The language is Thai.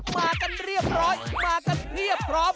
มากันเรียบร้อยมากันเพียบพร้อม